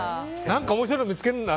何か面白いの見つけるんだ。